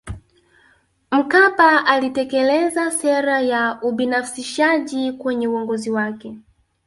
mkapa alitekeleza sera ya ubinafishaji kwenye uongozi wake